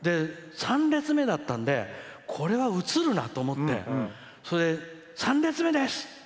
３列目だったんでこれは、映るなと思って３列目です！